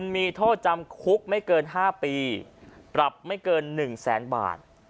มีโทษจำคุกไม่เกิน๕ปีปรับไม่เกิน๑แสนบาท